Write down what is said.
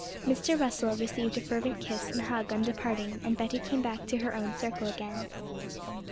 Mr. Russell received a fervent kiss and hug on departing, and Betty came back to her own circle again.